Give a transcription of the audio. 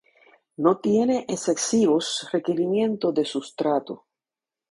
No tiene excesivos requerimientos de sustrato.